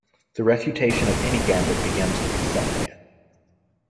The refutation of any gambit begins with accepting it.